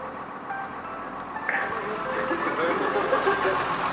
どういうこと？ですよね。